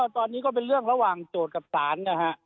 ตอนนี้ก็เป็นเรื่องระหว่างโจทย์กับศาลนะฮะ